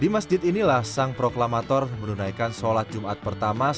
di masjid inilah sang proklamator menunjukkan bahwa matraman adalah seorang perempuan yang berpengaruh di jawa